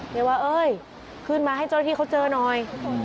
เรียกว่าเอ้ยขึ้นมาให้เจ้าหน้าที่เขาเจอหน่อย